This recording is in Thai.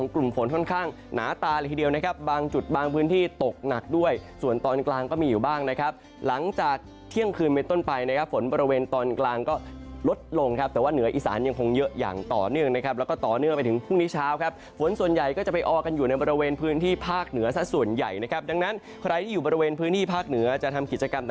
กลางก็มีอยู่บ้างนะครับหลังจากเที่ยงคืนเม็ดต้นไปนะครับฝนบริเวณตอนกลางก็ลดลงครับแต่ว่าเหนืออีสานยังคงเยอะอย่างต่อเนื่องนะครับแล้วก็ต่อเนื่องไปถึงพรุ่งนี้เช้าครับฝนส่วนใหญ่ก็จะไปออกกันอยู่ในบริเวณพื้นที่ภาคเหนือซะส่วนใหญ่นะครับดังนั้นใครที่อยู่บริเวณพื้นที่ภาคเหนือจะทํ